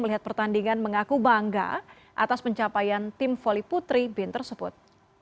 melihat pertandingan mengaku bangga atas pencapaian tim voli putri bin tersebut